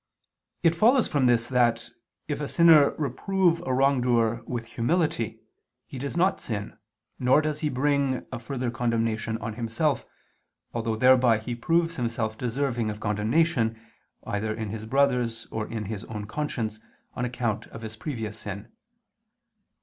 It follows from this that, if a sinner reprove a wrongdoer with humility, he does not sin, nor does he bring a further condemnation on himself, although thereby he proves himself deserving of condemnation, either in his brother's or in his own conscience, on account of his previous sin.